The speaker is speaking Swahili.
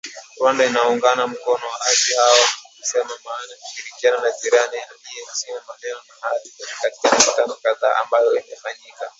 Rwanda inaunga mkono waasi hao na kusema maana ya ushirikiano na jirani aiyeheshimu maneno na ahadi zake katika mikutano kadhaa ambayo imefanyika